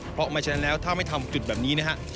เพราะไม่ฉะนั้นแล้วถ้าไม่ทำจุดแบบนี้นะฮะ